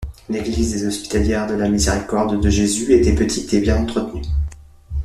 L'église des Hospitalières de la Miséricorde de Jésus était petite et bien entretenue.